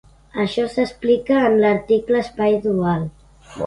Això s'explica en l'article espai dual.